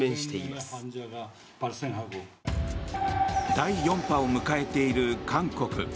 第４波を迎えている、韓国。